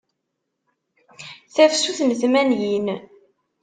Tafsut n tmanyin.